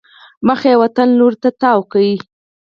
مخ یې وطن لوري ته تاو کړی.